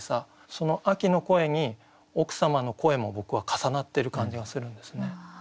その「秋の声」に奥様の声も僕は重なってる感じがするんですね。